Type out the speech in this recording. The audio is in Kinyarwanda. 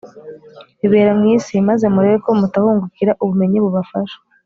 bibera mu isi, maze murebe ko mutahungukira ubumenyi bubafasha